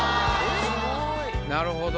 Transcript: なるほど。